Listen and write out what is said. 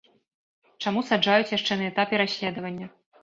Чаму саджаюць яшчэ на этапе расследавання?